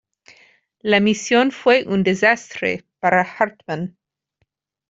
La misión fue un desastre para Hartmann.